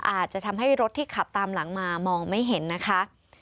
อาจจะทำให้รถที่ขับตามหลังมามองไม่เห็นนะคะ